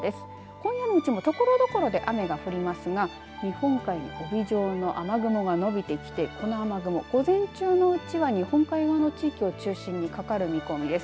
今夜のうちもところどころで雨が降りますが日本海に帯状の雨雲が伸びてきてこの雨雲、午前中のうちは日本海側の地域を中心にかかる見込みです。